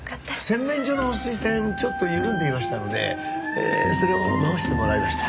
洗面所の水栓ちょっと緩んでいましたのでそれを直してもらいました。